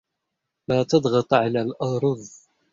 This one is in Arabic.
لا تضغط علی الارز.